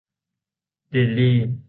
ลิลลี่